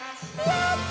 やった！